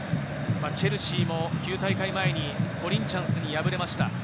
チェルシーも９大会前にコリンチャンスに敗れました。